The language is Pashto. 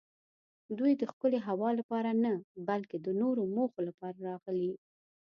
دوی د ښکلې هوا لپاره نه بلکې د نورو موخو لپاره راغلي.